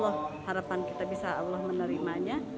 wah harapan kita bisa allah menerimanya